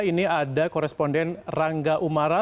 ini ada koresponden rangga umara